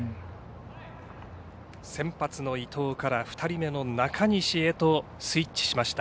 先発の伊藤から２人目の中西へスイッチしました